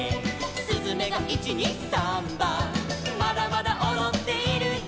「すずめが１・２・サンバ」「まだまだおどっているよ」